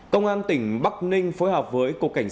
công an tỉnh bắc ninh phối hợp với cục cảnh sát